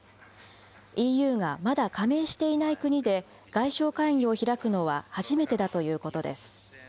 ＥＵがまだ加盟していない国で外相会議を開くのは初めてだということです。